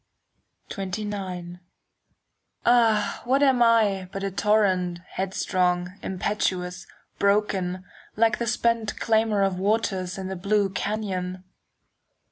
XXIX Ah, what am I but a torrent, Headstrong, impetuous, broken, Like the spent clamour of waters In the blue canyon?